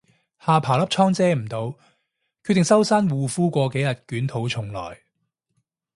下巴粒瘡遮唔到，決定收山護膚過幾日捲土重來